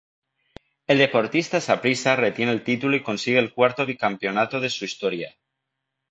El Deportivo Saprissa retiene el título y consigue el cuarto bicampeonato de su historia.